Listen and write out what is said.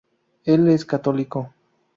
Él es católico.